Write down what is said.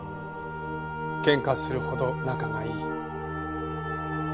喧嘩するほど仲がいい。